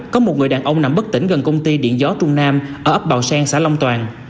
có một người đàn ông nằm bất tỉnh gần công ty điện gió trung nam ở ấp bào sen xã long toàn